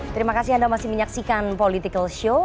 terima kasih anda masih menyaksikan political show